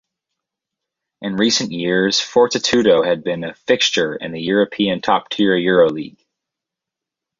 In recent years, Fortitudo had been a fixture in the European top-tier Euroleague.